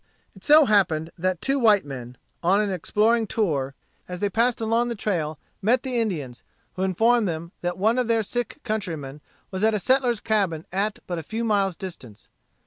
It so happened that two white men, on an exploring tour, as they passed along the trail, met the Indians, who informed them that one of their sick countrymen was at a settler's cabin at but a few miles' distance.